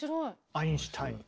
アインシュタイン。